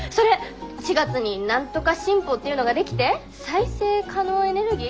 ４月に何とか新法っていうのが出来て再生可能エネルギー？